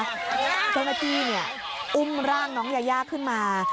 เจ้าหน้าที่อุ้มร่างน้องยายาขึ้นมา